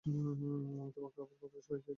আমি তোমাকে আবার কাপুরুষ হয়ে যেতে দিচ্ছি না।